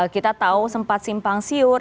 kita tahu sempat simpang siur